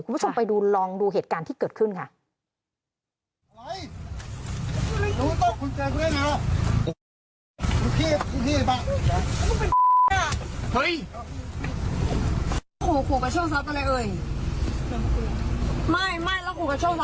คุณผู้ชมไปดูลองดูเหตุการณ์ที่เกิดขึ้นค่ะ